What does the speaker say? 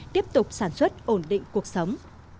tiếp tục sản xuất ổn định cuộc sống